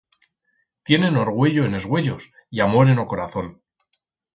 Tienen orgüello en es uellos y amor en o corazón.